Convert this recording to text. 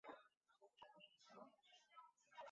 林东大楼建造者为一丁姓中国人。